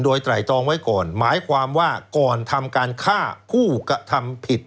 โดยไตรตองไว้ก่อนหมายความว่าก่อนทำการฆ่าผู้กระทำผิด